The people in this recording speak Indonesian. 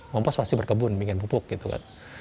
kompas pasti berkebun bikin pupuk gitu kan